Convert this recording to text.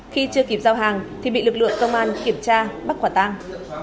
khi chưa kịp giao hàng thì bị lực lượng công an kiểm tra bắt quả tăng